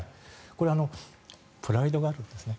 これ、プライドがあるんですね。